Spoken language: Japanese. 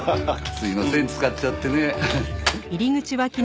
すいません使っちゃってね。